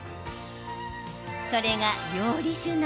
それが料理酒鍋。